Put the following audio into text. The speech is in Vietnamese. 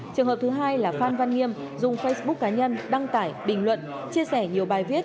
trường hợp thứ hai là phan văn nghiêm dùng facebook cá nhân đăng tải bình luận chia sẻ nhiều bài viết